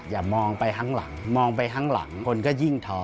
อย่ามองไปข้างหลังมองไปข้างหลังคนก็ยิ่งท้อ